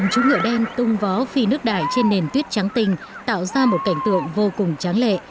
chú ngựa đen tung vó phi nước đại trên nền tuyết trắng tình tạo ra một cảnh tượng vô cùng tráng lệ